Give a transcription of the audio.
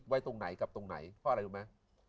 ตรงไหนกับตรงไหนเพราะอะไรรู้ไหม